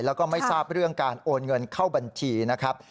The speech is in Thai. แล้วก็ไม่ทราบเรื่องการโอนเงินเข้าบัญชีนะครับ